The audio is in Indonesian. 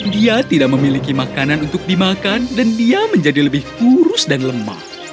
dia tidak memiliki makanan untuk dimakan dan dia menjadi lebih kurus dan lemah